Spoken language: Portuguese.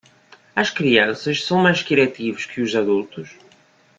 As crianças são mais criativas que os adultos?